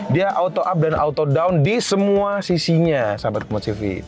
dia auto up dan auto down di semua sisinya sahabat cv